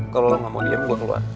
kalau lo gak mau diem gue keluar